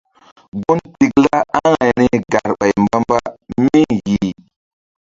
Gun tikla aŋayri garɓay mbamba mi yih.